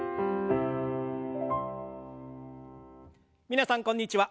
皆さんこんにちは。